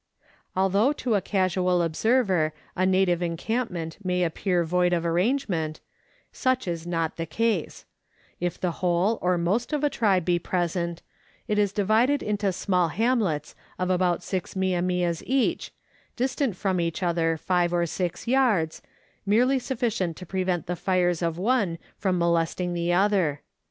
Although to a casual observer a native encampment may appear void of arrangement, such is not the case ; if the whole or most of a tribe be present, it is divided into small hamlets of about six mia mias each, distant from each other five or six yards, merely sufficient to prevent the fires of one from molesting the other.